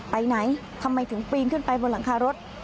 ไปไหนทำไมถึงปีนขึ้นไปบนหลังคารถ